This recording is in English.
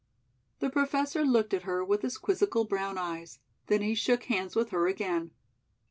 The Professor looked at her with his quizzical brown eyes; then he shook hands with her again.